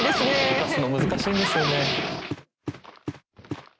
動かすの難しいんですよね。